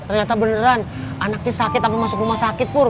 ternyata beneran anaknya sakit apa masuk rumah sakit pur